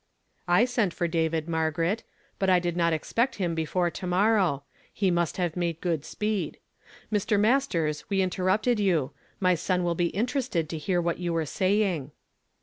"I sent for David, Margaret; but I did not ex pect him before to morrow. He must have made good speed. Mr. Masters, we interrupted you ; my son will be interested to hear what you were saying."